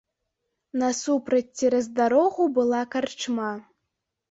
Насупраць цераз дарогу была карчма.